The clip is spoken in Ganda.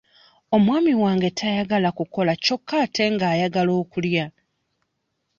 Omwami wange tayagala kukola kyokka ate nga ayagala okulya.